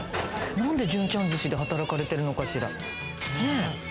なんで淳ちゃん寿司で働かれてるのかしら？